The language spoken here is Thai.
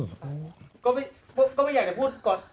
ก็ไม่อยากจะพูดก่อน